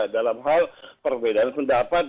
dalam hal perbedaan pendapat